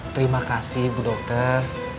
terima kasih bu dokter